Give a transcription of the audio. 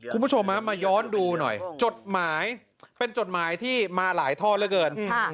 คุณผู้ชมมาย้อนดูหน่อยจดหมายเป็นจดหมายที่มาหลายท่อเหลือเกิน